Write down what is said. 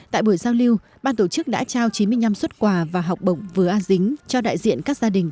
tại buổi giao lưu ban tổ chức đã trao chín mươi năm xuất quà và học bổng vừa a dính cho đại diện các gia đình